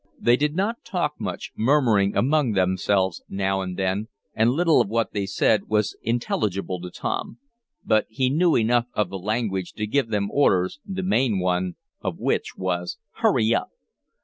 They did not talk much, murmuring among themselves now and then, and little of what they said was intelligible to Tom. But he knew enough of the language to give them orders, the main one of which was: "Hurry up!"